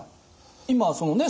今そのね